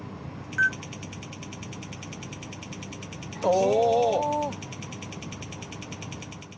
お。